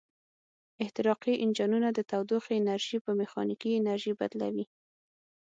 احتراقي انجنونه د تودوخې انرژي په میخانیکي انرژي بدلوي.